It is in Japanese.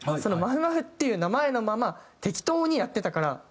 「まふまふ」っていう名前のまま適当にやってたから。